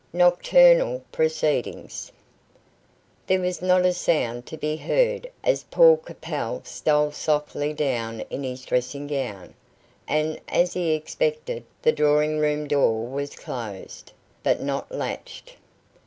NOCTURNAL PROCEEDINGS. There was not a sound to be heard as Paul Capel stole softly down in his dressing gown, and, as he expected, the drawing room door was closed, but not latched.